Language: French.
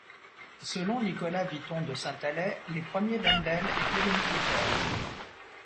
Selon Nicolas Viton de Saint-Allais, les premiers Wendel étaient des militaires.